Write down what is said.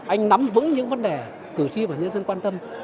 anh nắm vững những vấn đề cử tri và nhân dân quan tâm